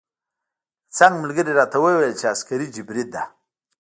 د څنګ ملګري راته وویل چې عسکري جبری ده.